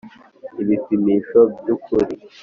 ibipimisho by’ukuri